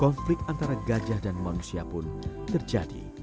konflik antara gajah dan manusia pun terjadi